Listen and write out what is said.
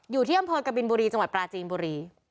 อยู่ที่กระบินบุรีจังหวัดปราจีนบุรี